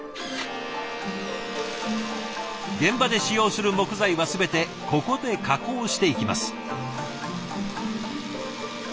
現場で使用する木材は全てここで加工していきます。